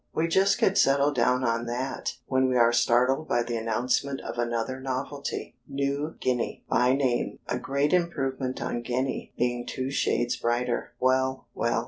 We just get settled down on that, when we are startled by the announcement of another novelty, "New Guinea" by name, "a great improvement on Guinea, being two shades brighter." Well, well!